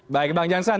baik bang jansan